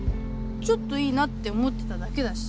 ちょっといいなって思ってただけだし。